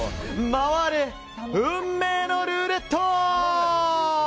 回れ、運命のルーレット！